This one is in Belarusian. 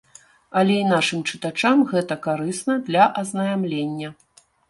Але і нашым чытачам гэта карысна для азнаямлення.